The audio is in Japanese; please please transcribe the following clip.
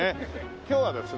今日はですね